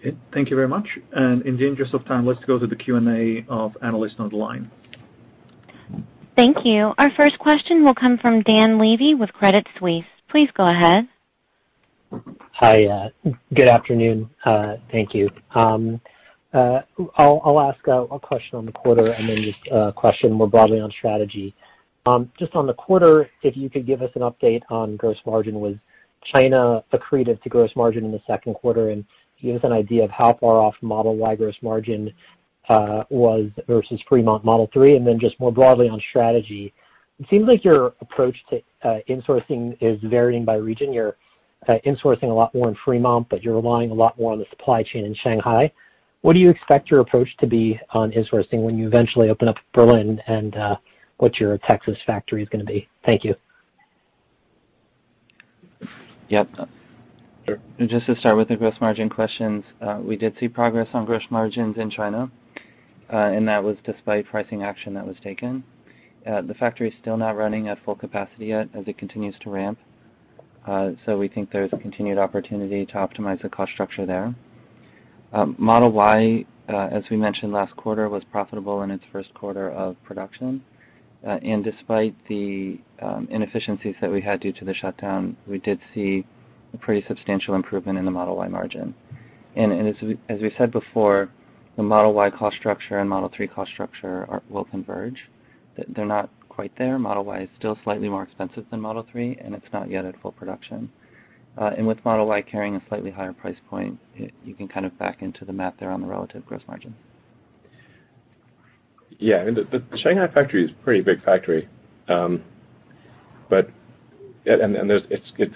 Okay. Thank you very much. In the interest of time, let's go to the Q&A of analysts on the line.
Thank you. Our first question will come from Dan Levy with Credit Suisse. Please go ahead.
Hi. Good afternoon. Thank you. I'll ask a question on the quarter and then just a question more broadly on strategy. Just on the quarter, if you could give us an update on gross margin. Was China accretive to gross margin in the second quarter? Give us an idea of how far off Model Y gross margin was versus Fremont Model 3. Just more broadly on strategy, it seems like your approach to insourcing is varying by region. You're insourcing a lot more in Fremont, but you're relying a lot more on the supply chain in Shanghai. What do you expect your approach to be on insourcing when you eventually open up Berlin and what your Texas factory is going to be? Thank you.
Yep. Just to start with the gross margin questions, we did see progress on gross margins in China. That was despite pricing action that was taken. The factory is still not running at full capacity yet as it continues to ramp, so we think there's a continued opportunity to optimize the cost structure there. Model Y, as we mentioned last quarter, was profitable in its first quarter of production. Despite the inefficiencies that we had due to the shutdown, we did see a pretty substantial improvement in the Model Y margin. As we said before, the Model Y cost structure and Model 3 cost structure will converge. They're not quite there. Model Y is still slightly more expensive than Model 3, and it's not yet at full production. With Model Y carrying a slightly higher price point, you can kind of back into the math there on the relative gross margins.
Yeah. The Shanghai factory is a pretty big factory. It's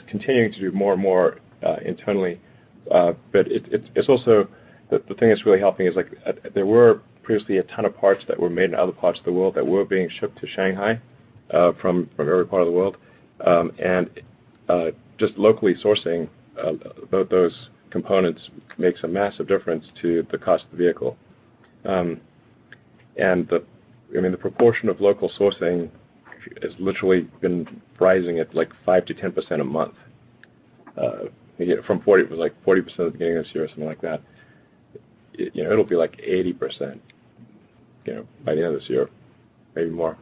continuing to do more and more internally. The thing that's really helping is there were previously a ton of parts that were made in other parts of the world that were being shipped to Shanghai from every part of the world. Just locally sourcing those components makes a massive difference to the cost of the vehicle. The proportion of local sourcing has literally been rising at 5% to 10% a month. From 40% at the beginning of this year or something like that. It'll be like 80% by the end of this year, maybe more.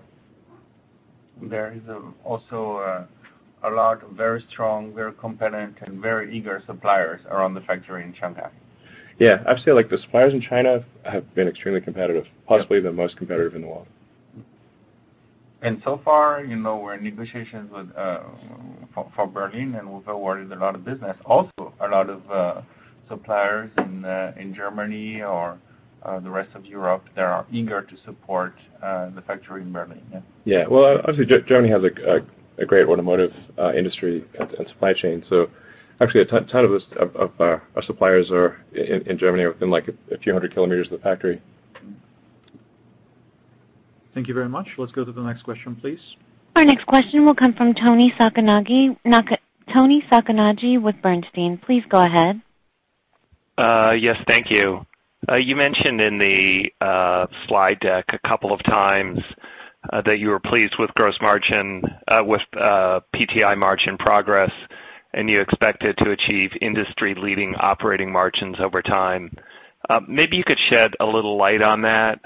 There is also a lot of very strong, very competent, and very eager suppliers around the factory in Shanghai.
Yeah. I'd say the suppliers in China have been extremely competitive, possibly the most competitive in the world.
So far, we're in negotiations for Berlin, and we've awarded a lot of business. A lot of suppliers in Germany or the rest of Europe, they are eager to support the factory in Berlin. Yeah.
Yeah. Well, obviously, Germany has a great automotive industry and supply chain. Actually, a ton of our suppliers are in Germany within a few hundred kilometers of the factory.
Thank you very much. Let's go to the next question, please.
Our next question will come from Toni Sacconaghi with Bernstein. Please go ahead.
Yes, thank you. You mentioned in the slide deck a couple of times that you were pleased with PTI margin progress, and you expected to achieve industry-leading operating margins over time. Maybe you could shed a little light on that.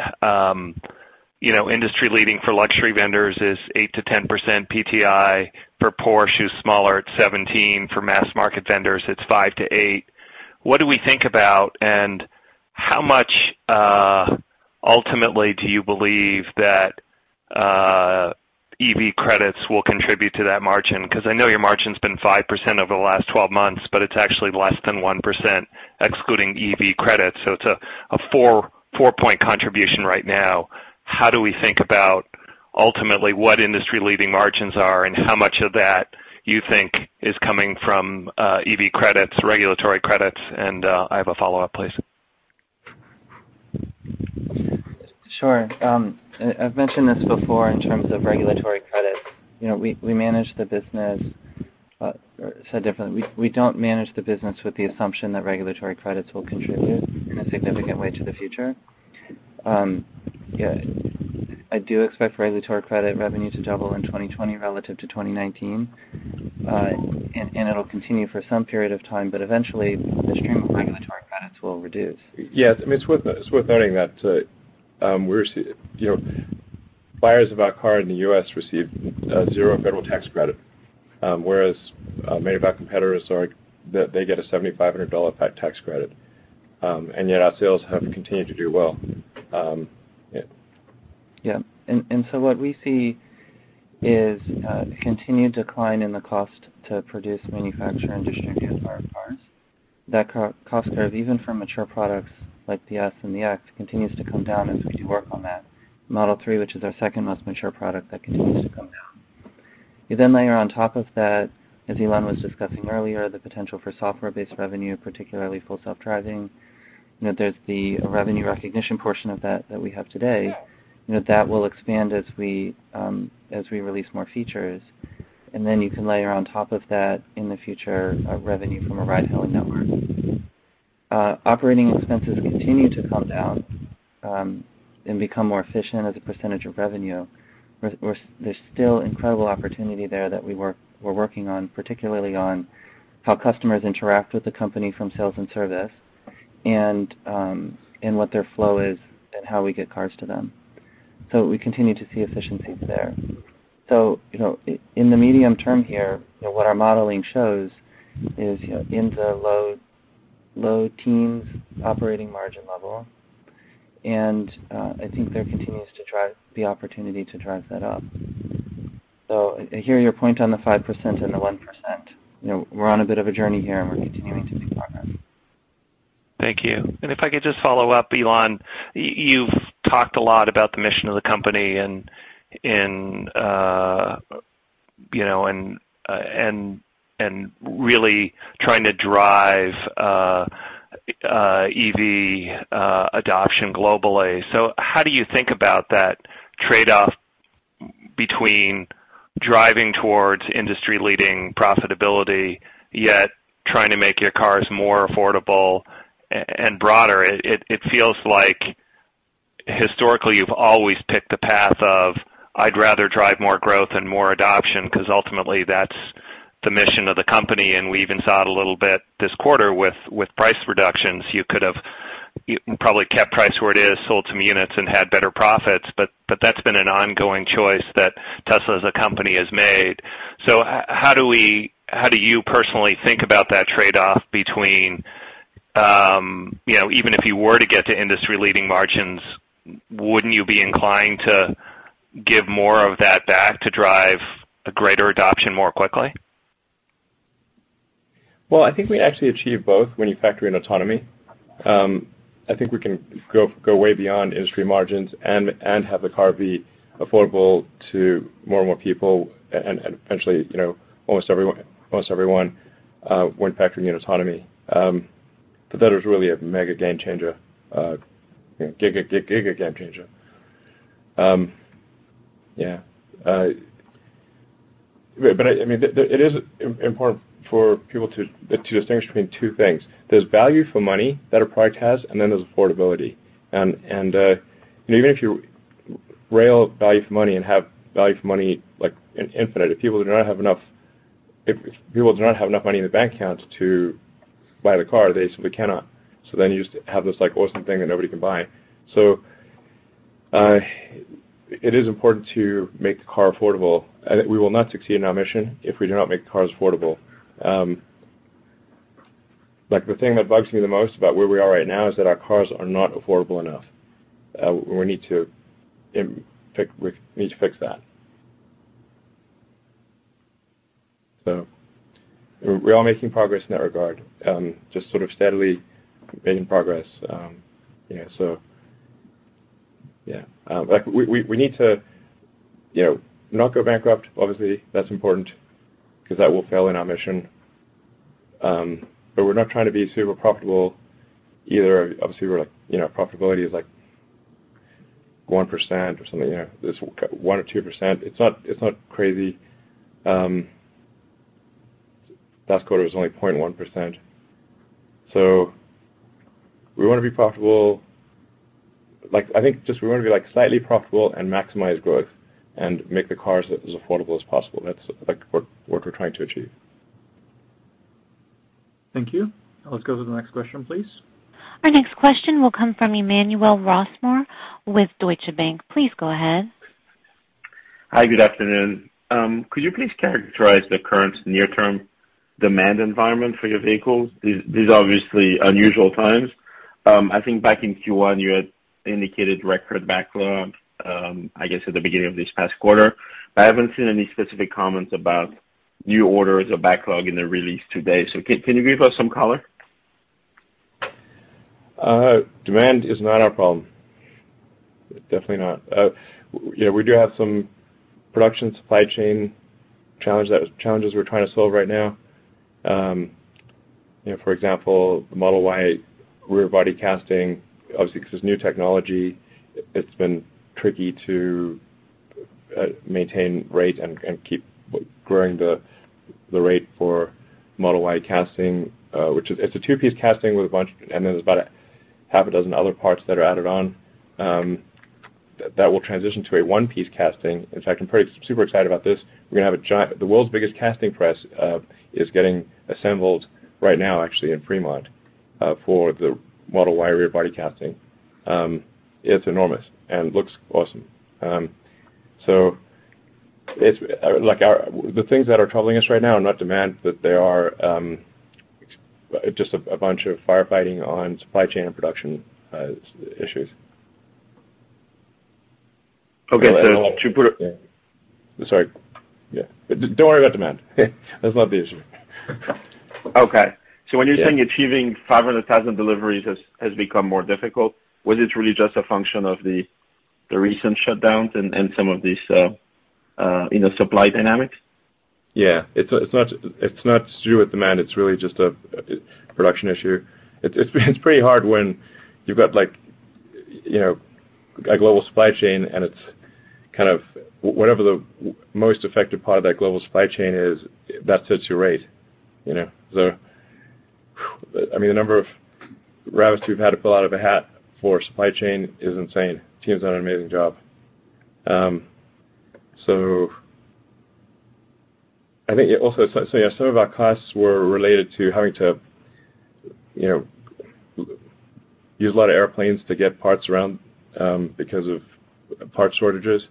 Industry-leading for luxury vendors is 8%-10% PTI. For Porsche, who's smaller, it's 17%. For mass market vendors, it's 5%-8%. What do we think about and how much, ultimately, do you believe that EV credits will contribute to that margin? I know your margin's been 5% over the last 12 months, but it's actually less than 1% excluding EV credits. It's a four-point contribution right now. How do we think about, ultimately, what industry-leading margins are, and how much of that you think is coming from EV credits, regulatory credits? I have a follow-up, please.
Sure. I've mentioned this before in terms of regulatory credits. Say it differently. We don't manage the business with the assumption that regulatory credits will contribute in a significant way to the future. I do expect regulatory credit revenue to double in 2020 relative to 2019. It'll continue for some period of time, but eventually the stream of regulatory credits will reduce.
Yeah. It's worth noting that buyers of our car in the U.S. receive zero federal tax credit. Whereas many of our competitors, they get a $7,500 tax credit. Yet our sales have continued to do well. Yeah.
What we see is a continued decline in the cost to produce, manufacture, and distribute our cars. That cost curve, even for mature products like the S and the X, continues to come down as we do work on that. Model 3, which is our second most mature product, that continues to come down. Layer on top of that, as Elon was discussing earlier, the potential for software-based revenue, particularly Full Self-Driving. There's the revenue recognition portion of that that we have today. That will expand as we release more features. You can layer on top of that, in the future, revenue from a ride-hailing network. Operating expenses continue to come down and become more efficient as a percentage of revenue. There's still incredible opportunity there that we're working on, particularly on how customers interact with the company from sales and service, and what their flow is and how we get cars to them. We continue to see efficiencies there. In the medium term here, what our modeling shows is in the low teens operating margin level. I think there continues to be opportunity to drive that up. I hear your point on the 5% and the 1%. We're on a bit of a journey here, and we're continuing to see progress.
Thank you. If I could just follow up, Elon. You've talked a lot about the mission of the company and really trying to drive EV adoption globally. How do you think about that trade-off between driving towards industry-leading profitability, yet trying to make your cars more affordable and broader? It feels like historically, you've always picked the path of, I'd rather drive more growth and more adoption, because ultimately, that's the mission of the company. We even saw it a little bit this quarter with price reductions. You could have probably kept price where it is, sold some units, and had better profits. That's been an ongoing choice that Tesla as a company has made. How do you personally think about that trade-off between, even if you were to get to industry-leading margins, wouldn't you be inclined to give more of that back to drive a greater adoption more quickly?
Well, I think we actually achieve both when you factor in autonomy. I think we can go way beyond industry margins and have the car be affordable to more and more people, and eventually, almost everyone when factoring in autonomy. That is really a mega game changer. Giga game changer. Yeah. It is important for people to distinguish between two things. There's value for money that a product has, and then there's affordability. Even if you rail value for money and have value for money infinite, if people do not have enough money in their bank account to buy the car, they simply cannot. You just have this awesome thing that nobody can buy. It is important to make the car affordable. We will not succeed in our mission if we do not make cars affordable. The thing that bugs me the most about where we are right now is that our cars are not affordable enough. We need to fix that. We are making progress in that regard. Just steadily making progress. Yeah. We need to not go bankrupt, obviously. That's important, because that will fail in our mission. We're not trying to be super profitable either. Obviously, our profitability is 1% or something. 1% or 2%. It's not crazy. Last quarter was only 0.1%. We want to be profitable. I think just we want to be slightly profitable and maximize growth and make the cars as affordable as possible. That's what we're trying to achieve.
Thank you. Let's go to the next question, please.
Our next question will come from Emmanuel Rosner with Deutsche Bank. Please go ahead.
Hi, good afternoon. Could you please characterize the current near-term demand environment for your vehicles? These are obviously unusual times. I think back in Q1, you had indicated record backlog, I guess at the beginning of this past quarter. I haven't seen any specific comments about new orders or backlog in the release today, so can you give us some color?
Demand is not our problem. Definitely not. Yeah, we do have some production supply chain challenges we're trying to solve right now. For example, the Model Y rear body casting, obviously, because it's new technology, it's been tricky to maintain rate and keep growing the rate for Model Y casting. It's a two-piece casting, and there's about a half a dozen other parts that are added on. That will transition to a one-piece casting. In fact, I'm super excited about this. The world's biggest casting press is getting assembled right now, actually, in Fremont, for the Model Y rear body casting. It's enormous and looks awesome. The things that are troubling us right now are not demand, but they are just a bunch of firefighting on supply chain and production issues.
Okay.
Sorry. Yeah. Don't worry about demand. That's not the issue.
When you're saying achieving 500,000 deliveries has become more difficult, was it really just a function of the recent shutdowns and some of these supply dynamics?
Yeah. It's not to do with demand. It's really just a production issue. It's pretty hard when you've got a global supply chain, and it's kind of whatever the most effective part of that global supply chain is, that sets your rate. The number of rabbits we've had to pull out of a hat for supply chain is insane. Team's done an amazing job. I think also some of our costs were related to having to use a lot of airplanes to get parts around because of parts shortages.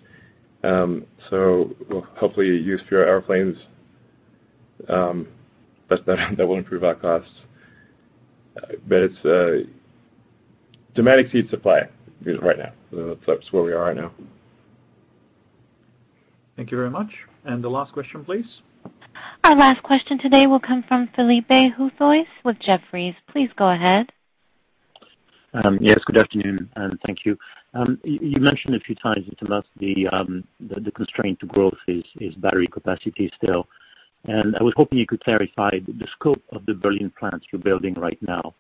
We'll hopefully use fewer airplanes. That will improve our costs. It's demand exceeds supply right now. That's where we are right now.
Thank you very much. The last question, please.
Our last question today will come from Philippe Houchois with Jefferies. Please go ahead.
Yes, good afternoon, and thank you. You mentioned a few times to us the constraint to growth is battery capacity still. I was hoping you could clarify the scope of the Berlin plant you're building right now.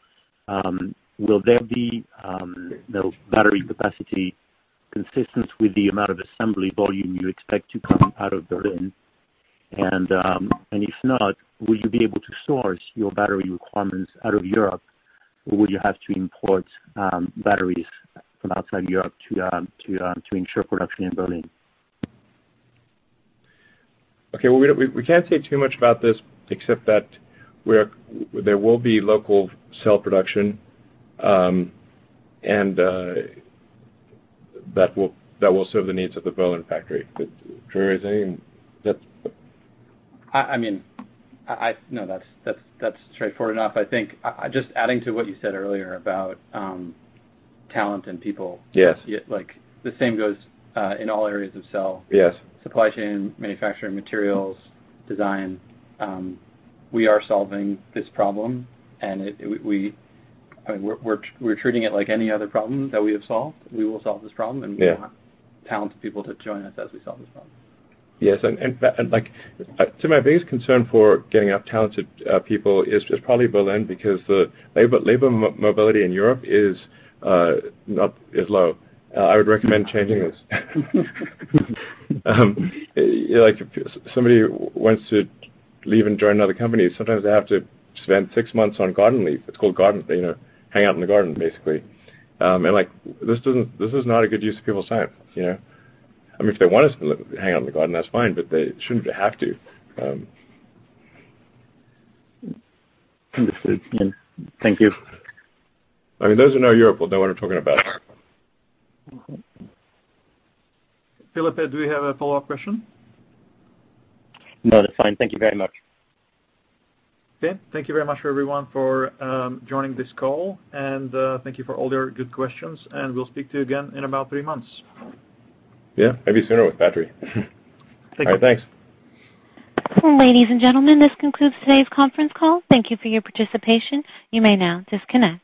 Will there be battery capacity consistent with the amount of assembly volume you expect to come out of Berlin? If not, will you be able to source your battery requirements out of Europe or will you have to import batteries from outside Europe to ensure production in Berlin?
Okay. Well, we can't say too much about this except that there will be local cell production, and that will serve the needs of the Berlin factory. Drew, is there anything that-
No, that's straightforward enough. I think just adding to what you said earlier about talent and people.
Yes.
The same goes in all areas of cell.
Yes.
Supply chain, manufacturing, materials, design. We are solving this problem, and we're treating it like any other problem that we have solved. We will solve this problem.
Yeah
We want talented people to join us as we solve this problem.
Yes, my biggest concern for getting talented people is just probably Berlin because the labor mobility in Europe is low. I would recommend changing this. If somebody wants to leave and join another company, sometimes they have to spend six months on garden leave. It's called hang out in the garden, basically. This is not a good use of people's time. If they want to hang out in the garden, that's fine, but they shouldn't have to.
Understood. Thank you.
Those who know Europe will know what I'm talking about.
Philippe, do we have a follow-up question?
No, that's fine. Thank you very much.
Okay. Thank you very much, everyone, for joining this call. Thank you for all your good questions. We'll speak to you again in about three months.
Yeah, maybe sooner with battery.
Thank you.
All right, thanks.
Ladies and gentlemen, this concludes today's conference call. Thank you for your participation. You may now disconnect.